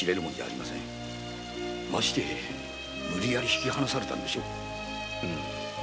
ましてや無理やり引き離されたんでしょ。